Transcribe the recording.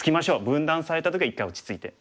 分断された時は一回落ち着いて。